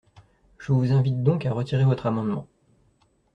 Je vous invite donc à retirer votre amendement.